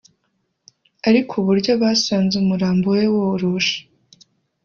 ariko uburyo basanze umurambo we woroshe